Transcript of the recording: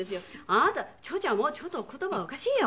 「あなたチューちゃんちょっと言葉おかしいよ」